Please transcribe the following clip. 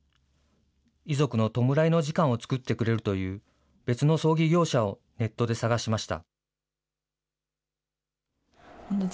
遺族の弔いの時間を作ってくれるという別の葬儀業者をネットで探しました。